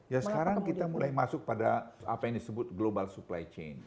ya sekarang kita mulai masuk pada apa yang disebut global supply chain